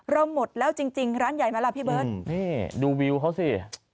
เราหมดแล้วจริงร้านใหญ่มาล่ะพี่เบิดนี่ดูวิวเขาสิ